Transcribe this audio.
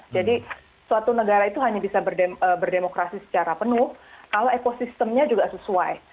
jadi suatu negara itu hanya bisa berdemokrasi secara penuh kalau ekosistemnya juga sesuai